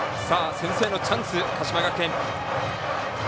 先制のチャンス、鹿島学園。